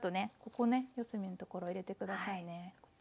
ここね四隅のところ入れて下さいね。